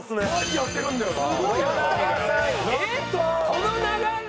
この流れ？